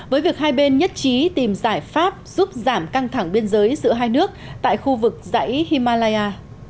với việc hai bên nhất trí tìm giải pháp giúp giảm căng thẳng biên giới giữa hai nước tại khu vực dãy himalaya